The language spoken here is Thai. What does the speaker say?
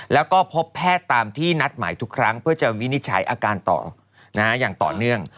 แล้วก็พบแพทย์ตามที่นัดหมายทุกครั้งเพื่อจะวินิจฉัยอาการต่ออย่างต่อเนื่อง